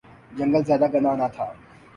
جنگل زیادہ گھنا نہ تھا